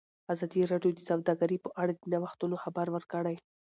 ازادي راډیو د سوداګري په اړه د نوښتونو خبر ورکړی.